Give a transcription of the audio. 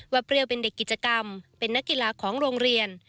เปรี้ยวเป็นเด็กกิจกรรมเป็นนักกีฬาของโรงเรียน